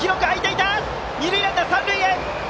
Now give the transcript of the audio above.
二塁ランナーは三塁へ。